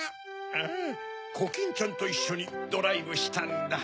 うんコキンちゃんといっしょにドライブしたんだ。